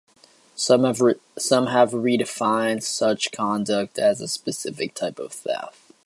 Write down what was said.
Some have redefined such conduct as a specific type of theft.